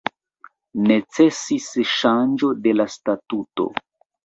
Necesis ŝanĝo de la statuto.